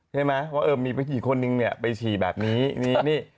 ใช่ไหมว่าเออมีผู้หญิงคนนึงเนี่ยไปฉี่แบบนี้นี่